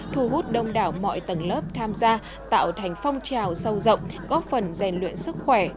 thu hút đông đảo mọi tầng lớp tham gia tạo thành phong trào sâu rộng góp phần rèn luyện sức khỏe